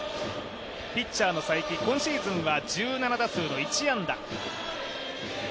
ピッチャーの才木、今シーズンは１７打数の１安打。